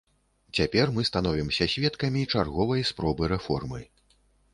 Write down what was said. Цяпер мы становімся сведкамі чарговай спробы рэформы.